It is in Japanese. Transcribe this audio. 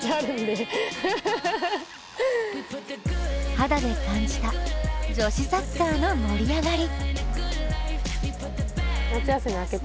肌で感じた、女子サッカーの盛り上がり。